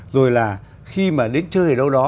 rồi là khi mà đến chơi ở đâu đó